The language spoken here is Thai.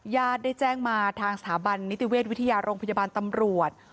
ได้แจ้งมาทางสถาบันนิติเวชวิทยาโรงพยาบาลตำรวจ